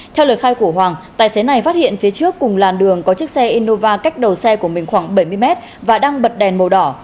theo lời khai của hoàng tài xế này phát hiện phía trước cùng làn đường có chiếc xe innova cách đầu xe của mình khoảng bảy mươi mét và đang bật đèn màu đỏ